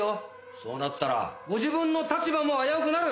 そうなったらご自分の立場も危うくなる！